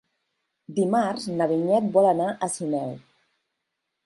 Dimarts na Vinyet vol anar a Sineu.